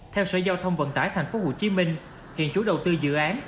theo sở giao thông vận tải thành phố hồ chí minh hiện chủ đầu tư dự án